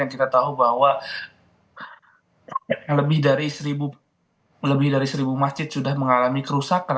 yang kita tahu bahwa lebih dari seribu masjid sudah mengalami kerusakan